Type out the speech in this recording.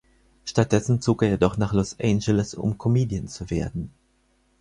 Stattdessen zog er jedoch nach Los Angeles, um Comedian zu werden.